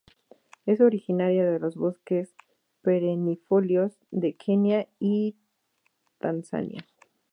Es originaria de los bosques perennifolios de Kenia y Tanzania.